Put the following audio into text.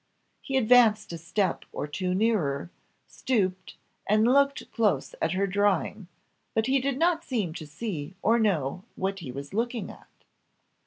He advanced a step or two nearer, stooped, and looked close at her drawing, but he did not seem to see or know what he was looking at.